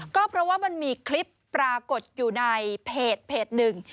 ก็เพราะว่ามันมีคลิปปรากฏอยู่ในเพจหนึ่ง